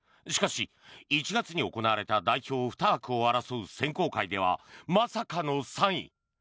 しかし、１月に行われた代表２枠を争う選考会ではまさかの３位。